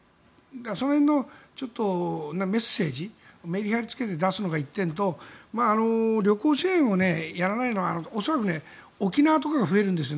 その辺のメッセージメリハリをつけて出すのが１点と旅行支援をやらないのは恐らく沖縄とかが増えるんです